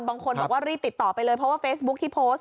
บางคนบอกว่ารีบติดต่อไปเลยเพราะว่าเฟซบุ๊คที่โพสต์